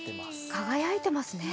輝いてますね。